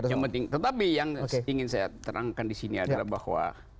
yang penting tetapi yang ingin saya terangkan di sini adalah bahwa